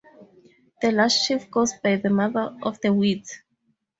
The last sheaf goes by the Mother of the Wheat.